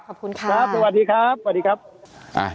ขอบคุณนะครับขอบคุณค่ะสวัสดีครับสวัสดีครับ